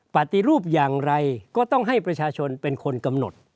ปฏิรูปอย่างไรก็ต้องให้ประชาชนเป็นคนกำหนด